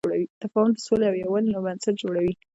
تفاهم د سولې او یووالي بنسټ جوړوي.